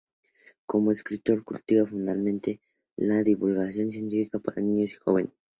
Como escritor, cultiva fundamentalmente la divulgación científica para niños y jóvenes.